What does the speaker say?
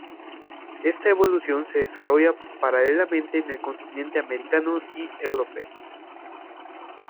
Esta evolución se desarrolla paralelamente en el continente americano y europeo.